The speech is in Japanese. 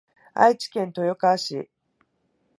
愛知県豊川市